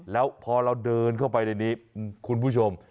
แล้วพอเราเดินเข้าไปในนี้คุณผู้ชม